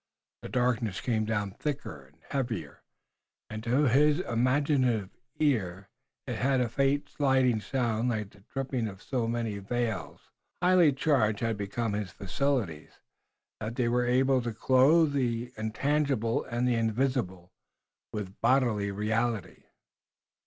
The darkness came down thicker and heavier, and to his imaginative ear it had a faint sliding sound like the dropping of many veils. So highly charged had become his faculties that they were able to clothe the intangible and the invisible with bodily reality.